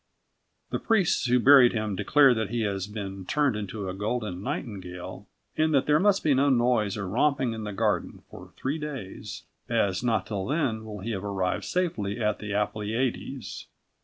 The priests who buried him declare that he has been turned into a golden nightingale, and that there must be no noise or romping in the garden for three days, as not till then will he have arrived safely at the Appleiades.